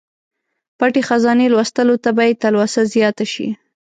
پټې خزانې لوستلو ته به یې تلوسه زیاته شي.